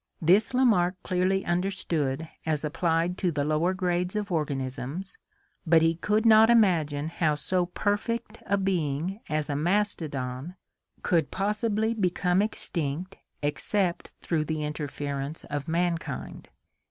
This Lamarck clearly understood as applied to the lower grades of organisms, but he could not imagine how so perfect a being as a mastodon could possibly become extinct except through the interference of mankind.